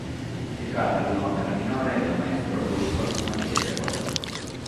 Si tratta di un'opera minore del maestro russo ma di piacevole ascolto.